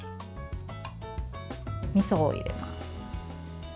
みそを入れます。